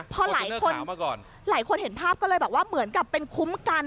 ภาพแบบนี้เห็นภาพก็จะเหมือนกับคลุมกัน